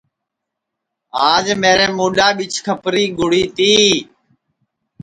آج میرے مُڈؔاپ ٻیچھکپری گُڑی تی